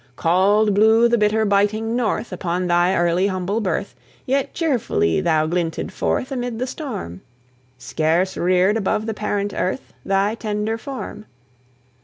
Cauld blew the bitter biting north Upon thy early, humble birth; Yet cheerfully thou glinted forth Amid the storm, Scarce reared above the parent earth Thy tender form.